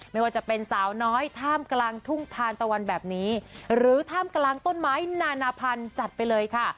ไม่ว่าจะเป็นสาวน้อยท่ามกลางทุ่งทานตะวันแบบนี้หรือท่ามกลางต้นไม้นานาพันธ์จัดไปเลยค่ะ